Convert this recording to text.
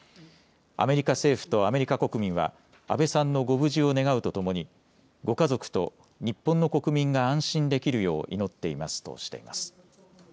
アメリカ政府とアメリカ国民は安倍さんのご無事を願うとともにご家族と日本の国民が安心できるよう祈っていますとしています。